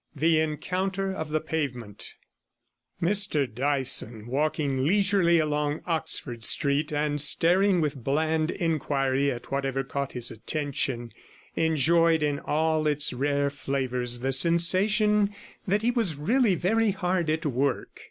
THE ENCOUNTER OF THE PAVEMENT Mr Dyson, walking leisurely along Oxford Street, and staring with bland inquiry at whatever caught his attention, enjoyed in all its rare flavours the 14 sensation that he was really very hard at work.